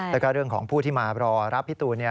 แล้วก็เรื่องของผู้ที่มารอรับพี่ตูน